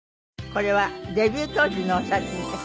これはデビュー当時のお写真です。